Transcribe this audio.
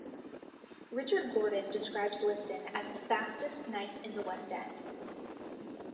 Richard Gordon describes Liston as the fastest knife in the West End.